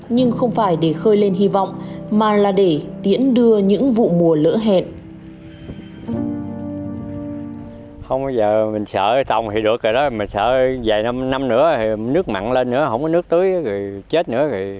nhưng không phải để khơi lên hy vọng mà là để tiễn đưa những vụ mùa lỡ hẹn